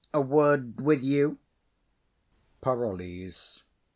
A word with you. PAROLLES.